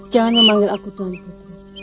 jangan memanggil aku tuan putri